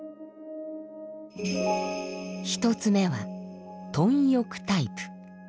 １つ目は「貪欲」タイプ。